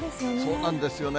そうなんですよね。